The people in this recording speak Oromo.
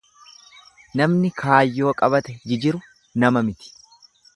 Namni kaayyoo qabate jijiru nama miti.